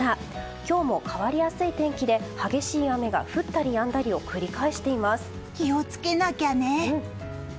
今日も変わりやすい天気で激しい雨が降ったりやんだりを気をつけなきゃね！